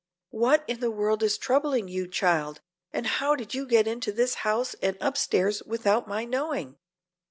What in the world is troubling you, child, and how did you get into this house and upstairs without my knowing?"